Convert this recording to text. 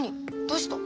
どうした？